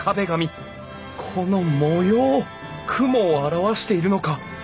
この模様雲を表しているのか。